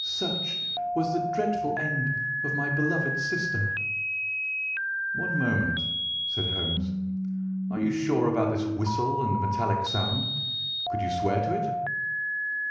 Such was the dreadful end of my beloved sister." "One moment," said Holmes, "are you sure about this whistle and metallic sound? Could you swear to it?"